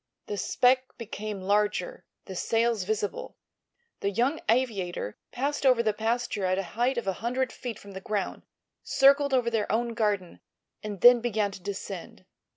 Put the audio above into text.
The speck became larger, the sails visible. The young aviator passed over the pasture at a height of a hundred feet from the ground, circled over their own garden and then began to descend.